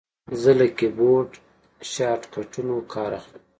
زه له کیبورډ شارټکټونو کار اخلم.